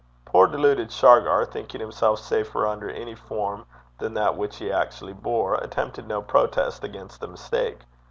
Poor deluded Shargar, thinking himself safer under any form than that which he actually bore, attempted no protest against the mistake.